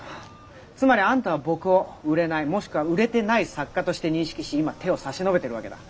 つまりあんたは僕を売れないもしくは売れてない作家として認識し今手を差し伸べてるわけだ。